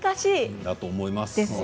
だと思います。